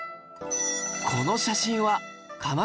この写真は